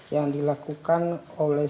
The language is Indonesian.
yang dilakukan oleh